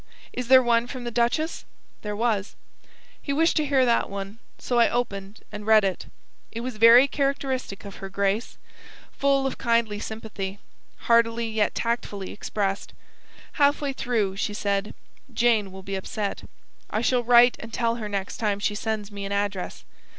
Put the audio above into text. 'Is there one from the duchess?' There was. He wished to hear that one, so I opened and read it. It was very characteristic of her Grace; full of kindly sympathy, heartily yet tactfully expressed. Half way through she said: 'Jane will be upset. I shall write and tell her next time she sends me an address.